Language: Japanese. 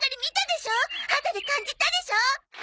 肌で感じたでしょ？